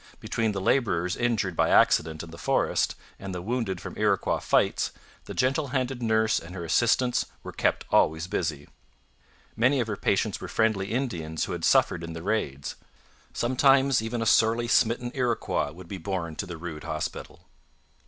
Between the labourers injured by accident in the forest and the wounded from Iroquois fights, the gentle handed nurse and her assistants were kept always busy. Many of her patients were friendly Indians who had suffered in the raids; sometimes even a sorely smitten Iroquois would be borne to the rude hospital.